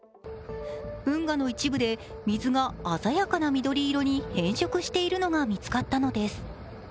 運河の一部で水が鮮やかな緑色に変色しているのが見つかったのです。